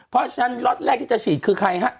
เพราะฉะนั้นล็อตแรกที่จะฉีดคือใครฮะ